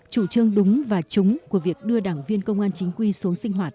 chủ trương đúng và trúng của việc đưa đảng viên công an chính quy xuống sinh hoạt